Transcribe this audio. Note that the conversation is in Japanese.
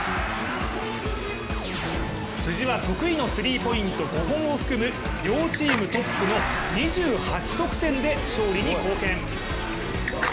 辻は得意のスリーポイント５本を含む両チームトップの２８得点で勝利に貢献。